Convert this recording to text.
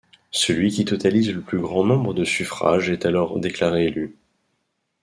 Celui qui totalise le plus grand nombre de suffrages est alors déclaré élu.